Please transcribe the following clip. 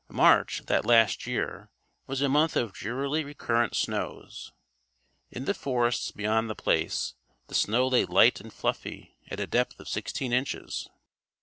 March, that last year, was a month of drearily recurrent snows. In the forests beyond The Place, the snow lay light and fluffy at a depth of sixteen inches.